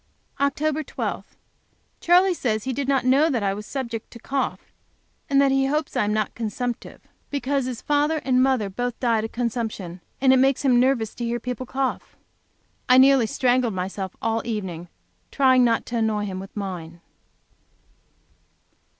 Oct. 12. Charley says he did not know that I was subject to a cough, and that he hopes I am not consumptive, because his father and mother died of consumption, and it makes him nervous to hear people cough. I nearly strangled myself all the evening trying not to annoy him with mine.